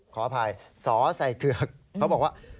ขออภัยสอใส่เกือกเขาบอกว่า